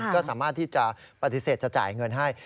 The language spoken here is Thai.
ก็สามารถที่จะปฏิเสธจะจ่ายเงินให้